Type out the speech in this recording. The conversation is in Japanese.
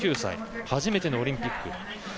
初めてのオリンピック。